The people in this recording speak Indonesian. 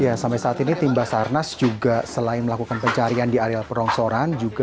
ya sampai saat ini timbasarnas juga selain melakukan pencarian di area perongsoran juga